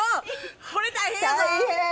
これ大変やぞ。